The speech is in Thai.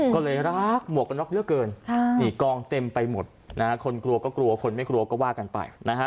ก็เลยรักหมวกกันน็อกเยอะเกินนี่กองเต็มไปหมดนะฮะคนกลัวก็กลัวคนไม่กลัวก็ว่ากันไปนะฮะ